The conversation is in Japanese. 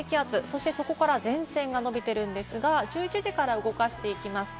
このあと低気圧、そしてそこから前線がのびているんですが、１１時から動かしていきます。